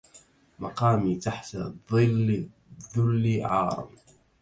مقامي تحت ظل الذل عار